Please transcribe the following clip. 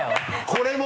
これも？